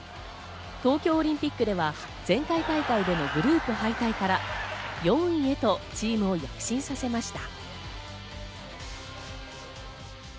東京オリンピックでは、前回大会でグループ敗退から４位へとチームを躍進させました。